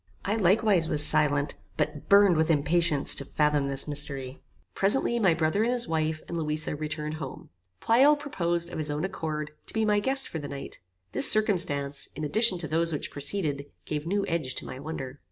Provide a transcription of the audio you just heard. I likewise was silent, but burned with impatience to fathom this mystery. Presently my brother and his wife, and Louisa, returned home. Pleyel proposed, of his own accord, to be my guest for the night. This circumstance, in addition to those which preceded, gave new edge to my wonder.